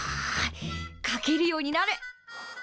書けるようになれ！